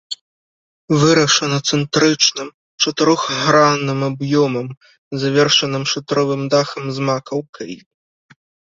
Вырашана цэнтрычным чатырохгранным аб'ёмам, завершаным шатровым дахам з макаўкай.